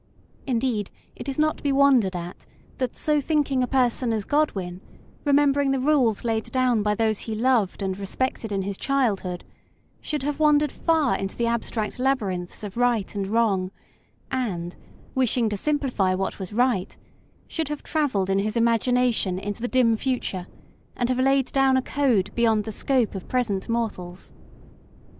Indeed, it is not to be wondered at that so thinking a person as Godwin, remembering the rules laid down by those he loved and respected in his childhood, should have wandered far into the ab stract labyrinths of right and wrong, and, wishing to simplify what was right, should have travelled in his imagination into the dim future, and have laid down a code beyond the scope of present mortals.